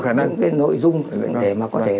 những cái nội dung để mà có thể